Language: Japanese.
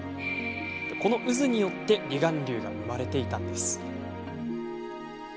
この渦によって離岸流が生まれていたのです。